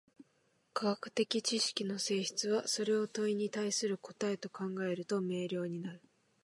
科学的知識の性質は、それを問に対する答と考えると明瞭になる。